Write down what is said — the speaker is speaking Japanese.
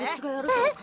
えっ！